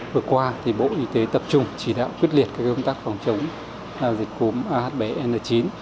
vừa qua bộ y tế tập trung chỉ đạo quyết liệt các công tác phòng chống dịch cúm ah bảy n chín